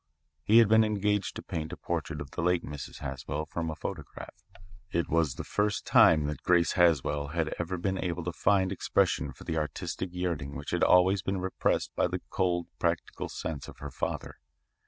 He had been engaged to paint a portrait of the late Mrs. Haswell from a photograph. It was the first time that Grace Haswell had ever been able to find expression for the artistic yearning which had always been repressed by the cold, practical sense of her father.